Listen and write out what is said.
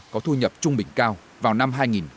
có thu nhập trung bình cao vào năm hai nghìn hai mươi